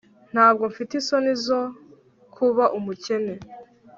ntabwo mfite isoni zo kuba umukene